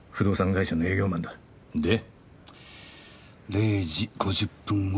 ０時５０分頃。